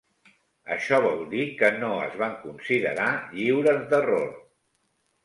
Això vol dir que no es van considerar lliures d'error.